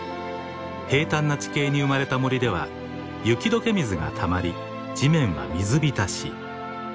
平たんな地形に生まれた森では雪解け水がたまり地面は水浸し。